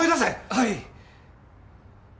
はい！